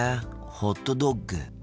ホットドッグ。